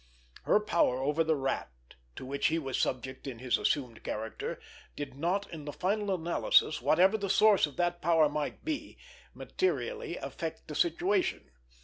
Her power over the Rat to which he was subject in his assumed character, did not, in the final analysis, whatever the source of that power might be, materially affect the situation.